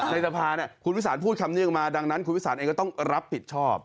ในสภาคุณวิสานพูดคำเนี่ยงมาดังนั้นคุณวิสานเองก็ต้องรับผิดชอบ